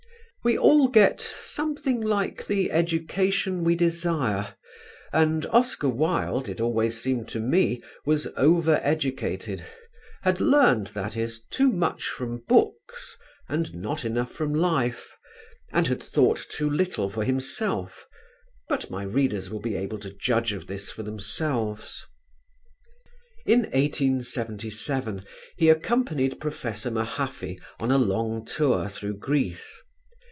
We all get something like the education we desire, and Oscar Wilde, it always seemed to me, was over educated, had learned, that is, too much from books and not enough from life and had thought too little for himself; but my readers will be able to judge of this for themselves. In 1877 he accompanied Professor Mahaffy on a long tour through Greece.